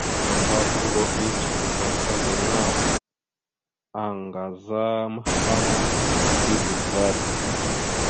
Klakamba uuro eŋgcekaba assla gaŋa, aaŋgaza maɓaŋa, eeve vvaɗ.